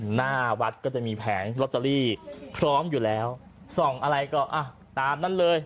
หน้าวัดก็จะมีแผงลอตเตอรี่พร้อมอยู่แล้วส่องอะไรก็อ่ะตามนั้นเลย